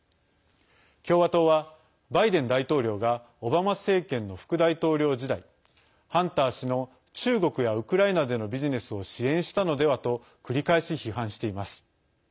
共和党は、バイデン大統領がオバマ政権の副大統領時代ハンター氏の中国やウクライナでのビジネスを支援したのではと繰り返し批判しています。